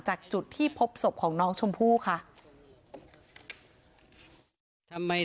จากจุดที่พบศพของน้องชมพู่ค่ะ